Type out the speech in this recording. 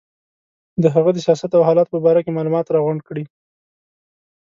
د هغه د سیاست او حالاتو په باره کې معلومات راغونډ کړي.